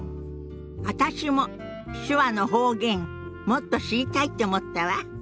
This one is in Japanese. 私も手話の方言もっと知りたいって思ったわ。